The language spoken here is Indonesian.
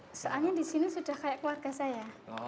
soalnya di sini sudah kayak keluarga saya